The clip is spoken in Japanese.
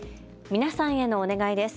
皆さんへのお願いです。